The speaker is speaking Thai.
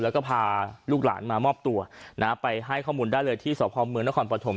แล้วก็พาลูกหลานมามอบตัวนะฮะไปให้ข้อมูลได้เลยที่สพเมืองนครปฐม